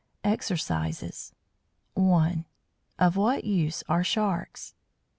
EXERCISES 1. Of what use are Sharks? 2.